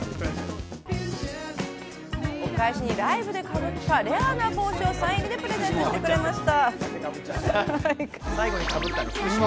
お返しにライブでかぶったレアな帽子をサイン入りでプレゼントしてくれました。